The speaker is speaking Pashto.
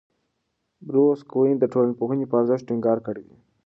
بروس کوئن د ټولنپوهنې په ارزښت ټینګار کړی دی.